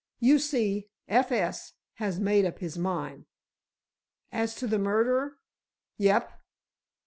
You see, F. S. has made up his mind." "As to the murderer?" "Yep."